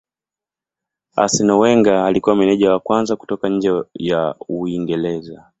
Arsenal Wenger alikuwa meneja wa kwanza kutoka nje ya Uingereza.